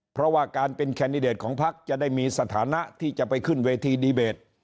เพราะว่าการเป็นแคนดิเดตของพักจะได้มีสถานะที่จะไปขึ้นเวทีดีเบต